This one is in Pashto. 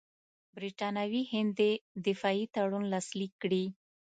برټانوي هند دې دفاعي تړون لاسلیک کړي.